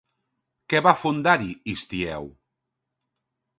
Què va fundar-hi Histieu?